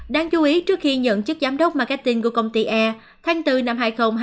đáng chú ý trước khi nhận chức giám đốc marketing của công ty air tháng bốn năm hai nghìn hai mươi